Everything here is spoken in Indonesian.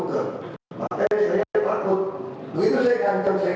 kenapa hanya seperti perjanjian lain